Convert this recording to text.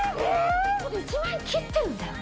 １万円切ってるんだよ？